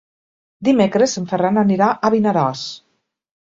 Dimecres en Ferran anirà a Vinaròs.